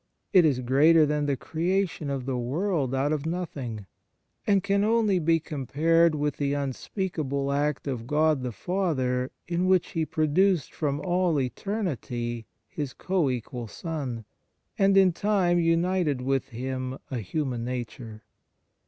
It is greater than the creation of the world out of nothing, and can only be compared with the unspeak able act of God the Father in which He produced from all eternity His co equal Son, and in time united with Him a human nature.